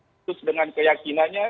terus dengan keyakinannya